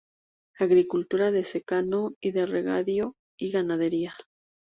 Agricultura de secano y de regadío y ganadería.